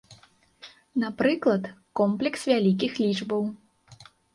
Напрыклад, комплекс вялікіх лічбаў.